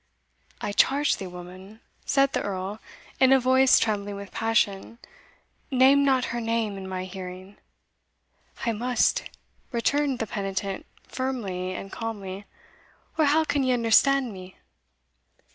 "I charge thee, woman," said the Earl, in a voice trembling with passion, "name not her name in my hearing!" "I must," returned the penitent firmly and calmly, "or how can you understand me?"